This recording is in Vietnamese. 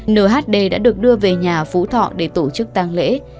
nửa hát đê đã được đưa về nhà phú thọ để tổ chức tăng lễ